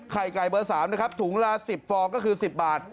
ไข่ไก่เบอร์๓นะครับถุงละ๑๐ฟองก็คือ๑๐บาท